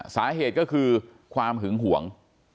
สาเหตุก็คือความหึงห่วง